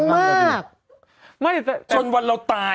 มักจนวันเราตาย